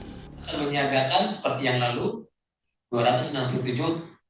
selalu menyiagakan seperti yang lalu